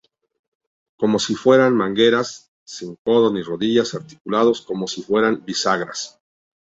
Como si fueran mangueras: sin codos ni rodillas articulados como si fueran bisagras.